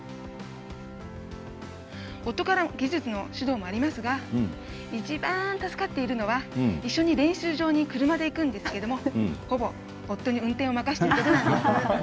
夫からは技術の指導もありますが一番助かっているのは一緒に練習場に車で行くんですがほぼ夫に運転を任していることです。